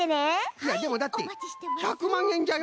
いやでもだって１００まんえんじゃよ。